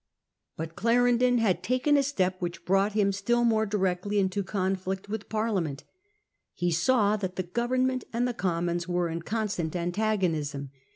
But Clarendon had taken a step which brought him Proposes a still more directly into conflict with Parliament, dissolution. He saw that the Government and the Commons were in constant antagonism.